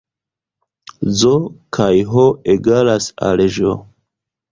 Z kaj H egalas al Ĵ